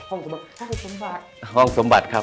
ห้องสมบัติห้องสมบัติครับ